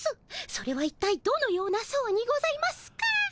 それはいったいどのような相にございますか？